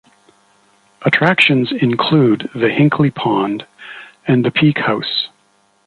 Attractions include the Hinkley Pond and the Peak House.